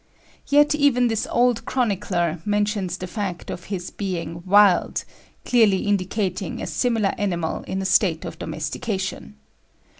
Yet even this old chronicler mentions the fact of his being "wilde," clearly indicating a similar animal in a state of domestication.